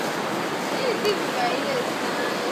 serikali itaanzisha mfumo ya zabuni za mitaji